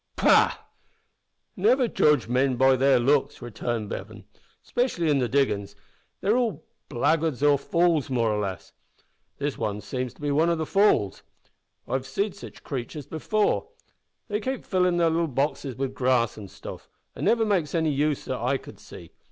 "Pooh! Never judge men by their looks," returned Bevan "specially in the diggin's. They're all blackguards or fools, more or less. This one seems to be one o' the fools. I've seed sitch critters before. They keep fillin' their little boxes wi' grass an' stuff; an' never makes any use of it that I could see.